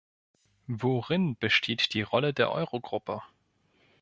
Worin besteht die Rolle der Eurogruppe?